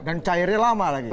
dan cairnya lama lagi